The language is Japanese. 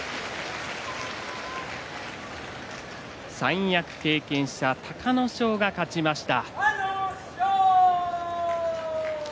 三役経験者、隆の勝が勝ちました。